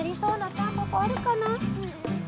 たんぽぽあるかな？